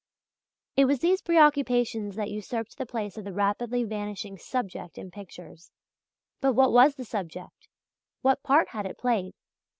It was these preoccupations that usurped the place of the rapidly vanishing "subject" in pictures. But what was the subject? What part had it played?